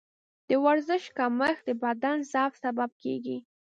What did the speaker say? د ورزش کمښت د بدن ضعف سبب کېږي.